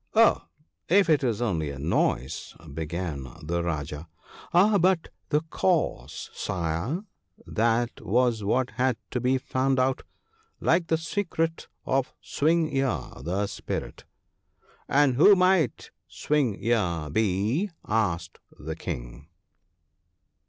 ' Oh, if it was only a noise,' began the Rajah. ' Ah, but the cause, Sire ! that was what had to be found out ; like the secret of Swing ear the Spirit.' ' And who might Swing ear be ?' asked the King.